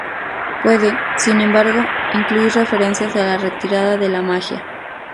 Puede, sin embargo, incluir referencias a la retirada de la magia.